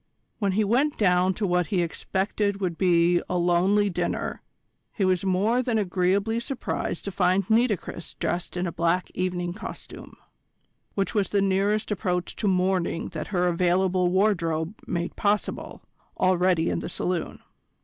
When he went down to what he expected would be a lonely dinner, he was more than agreeably surprised to find Nitocris dressed in a black evening costume, which was the nearest approach to mourning that her available wardrobe made possible, already in the saloon.